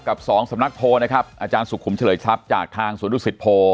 สองสำนักโพลนะครับอาจารย์สุขุมเฉลยทรัพย์จากทางสวนดุสิตโพ